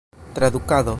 tradukado